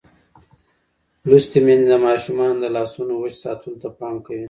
لوستې میندې د ماشومانو د لاسونو وچ ساتلو ته پام کوي.